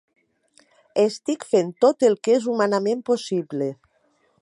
Estic fent tot el que és humanament possible.